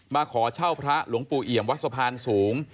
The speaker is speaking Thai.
มาขอเช่าพระหลวงปู่เอี่ยมวัดสะพานสูง